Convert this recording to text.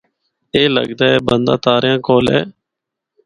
اے لگدا اے بندہ تاریاں کول اے۔